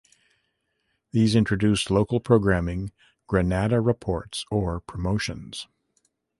These introduced local programming, "Granada Reports", or promotions.